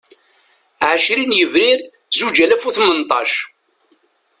Ɛecrin Yebrir Zuǧ alas u Tmenṭac